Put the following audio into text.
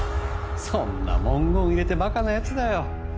そんな文言入れてバカなやつだよ